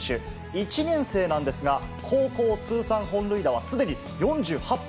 １年生なんですが、高校通算本塁打は、すでに４８本。